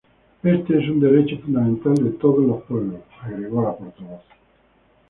Este es un derecho fundamental de todos los pueblos"", agregó la portavoz.